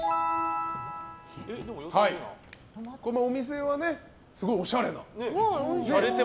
このお店はすごいおしゃれな。